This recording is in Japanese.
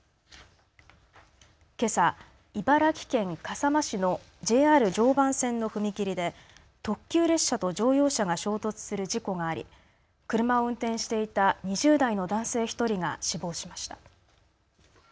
けさ、茨城県笠間市のＪＲ常磐線の踏切で特急列車と乗用車が衝突する事故があり車を運転していた２０代の男性１人が死亡しました。